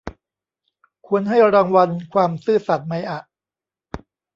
ควรให้รางวัลความซื่อสัตย์ไหมอะ